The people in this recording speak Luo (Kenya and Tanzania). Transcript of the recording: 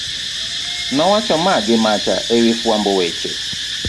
nowacho ma gi macha e wi jofwamb weche